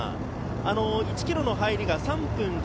１ｋｍの入りが３分１２秒。